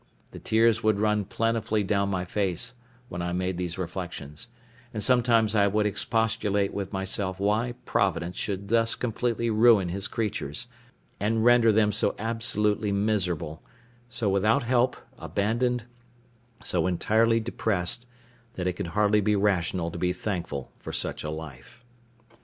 The tears would run plentifully down my face when I made these reflections; and sometimes I would expostulate with myself why Providence should thus completely ruin His creatures, and render them so absolutely miserable; so without help, abandoned, so entirely depressed, that it could hardly be rational to be thankful for such a life.